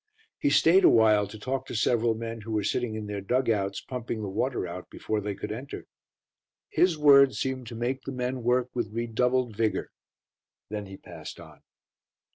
He stayed awhile to talk to several men who were sitting in their dug outs pumping the water out before they could enter. His words seemed to make the men work with redoubled vigour. Then he passed on.